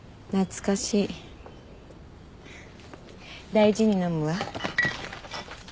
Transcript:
大事に飲むわ。